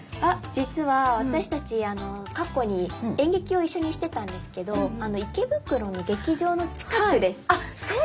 実は私たち過去に演劇を一緒にしてたんですけど池袋の劇場の近くです。